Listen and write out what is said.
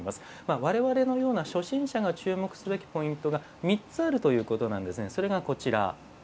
我々のような初心者が注目すべきポイントが３つあるということです。